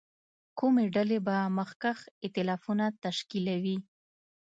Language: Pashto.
کومې ډلې به مخکښ اېتلافونه تشکیلوي.